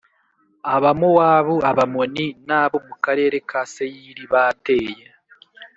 Abamowabu Abamoni n abo mu karere ka Seyiri bateye